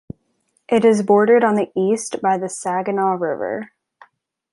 It is bordered on the east by the Saginaw River.